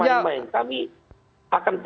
jangan main main kami akan